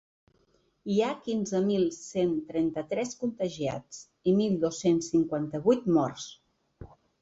Hi ha quinze mil cent trenta-tres contagiats i mil dos-cents cinquanta-vuit morts.